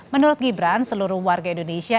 menurut gibran seluruh warga indonesia